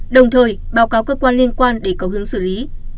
đồng thời báo cáo cơ quan liên quan để có hướng xử lý